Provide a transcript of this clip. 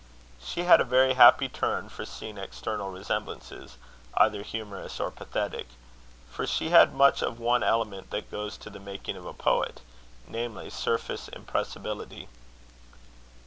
She had a very happy turn for seeing external resemblances, either humorous or pathetic; for she had much of one element that goes to the making of a poet namely, surface impressibility.